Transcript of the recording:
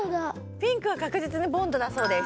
ピンクはかくじつにボンドだそうです。